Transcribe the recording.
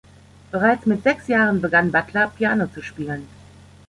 Bereits mit sechs Jahren begann Butler, Piano zu spielen.